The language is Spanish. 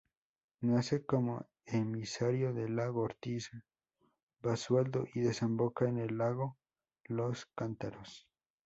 Nace como emisario del lago Ortiz Basualdo y desemboca en el lago Los Cántaros.